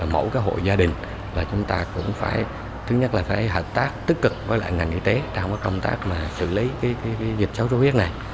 mẫu cái hội gia đình là chúng ta cũng phải thứ nhất là phải hợp tác tích cực với ngành y tế trong công tác xử lý dịch suốt suốt huyết này